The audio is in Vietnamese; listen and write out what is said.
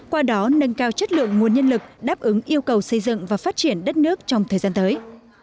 qua đó nâng cao chất lượng nguồn nhân lực đáp ứng yêu cầu xây dựng và phát triển đất nước trong thời gian tới